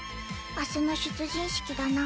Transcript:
明日の出陣式だな。